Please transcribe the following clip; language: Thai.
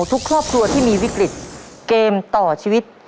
ทุกครอบครัวที่มีวิกฤตเกมต่อชีวิต